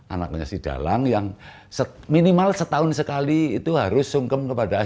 anaknya si dalang yang minimal setahun sekali itu harus sungkem kepada